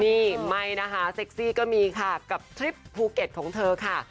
นี่ไม่นะคะเซ็กซี่ก็มีค่ะกับทริปภูเก็ตของเธอค่ะ